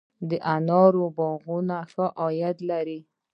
د انارو باغونه ښه عاید لري؟